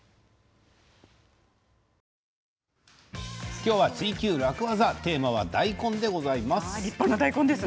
今日は「ツイＱ楽ワザ」テーマは大根でございます。